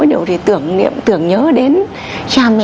điều để tưởng nhớ đến cha mẹ